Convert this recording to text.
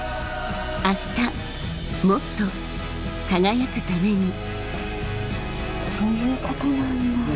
明日もっと輝くためにそういうことなんだ。